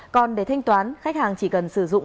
còn để thanh toán khách hàng chỉ cần sử dụng